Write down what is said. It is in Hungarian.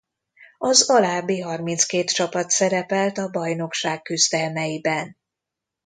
Az alábbi harminckét csapat szerepelt a bajnokság küzdelmeiben.